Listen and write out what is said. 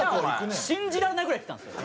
信じられないぐらい行ってたんですよ。